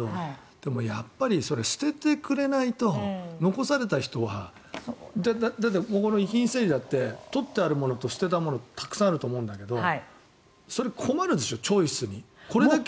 でもそれは捨ててもらわないと残された人はだってこの遺品整理だって取ってあるものと捨てたものたくさんあると思うんだけどそれはチョイスに困るでしょ